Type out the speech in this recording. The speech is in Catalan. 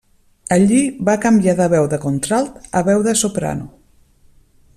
Allí va canviar de veu de contralt a veu de soprano.